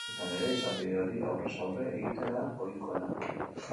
Izan ere, izapide hori aurrez aurre egitea da ohikoena.